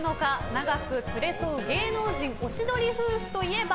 長く連れ添う芸能人おしどり夫婦といえば？